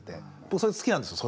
僕それ好きなんですよ